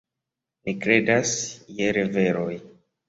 Ni kredas je revoj.